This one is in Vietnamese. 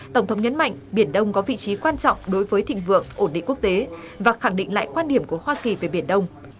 tổng thống nhấn mạnh biển đông có vị trí quan trọng đối với thịnh vượng ổn định quốc tế và khẳng định lại quan điểm của hoa kỳ về biển đông